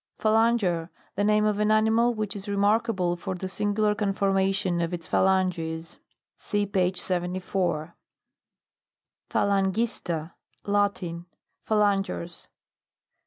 PHALANGER. The name of an animal which is remarkable for the singu lar conformation of its phalanges. (See page 74.) PHALANGISTA. Latin. Phalangers.